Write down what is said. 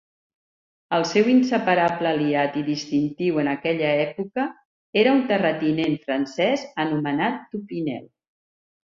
El seu inseparable aliat i distintiu en aquella època era un terratinent francès anomenat Toupinel.